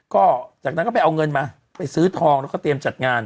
ก็จากนั้นก็ไปเอาเงินมาไปซื้อทองแล้วก็เตรียมจัดงาน